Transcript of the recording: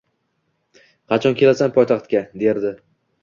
“Qachon kelasan poytaxtga”, derdi.